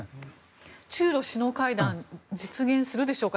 中ロ首脳会談は実現するでしょうか？